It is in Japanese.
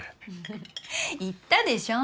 フフ言ったでしょ。